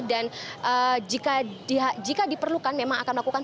dan jika diperlukan memang akan dilakukan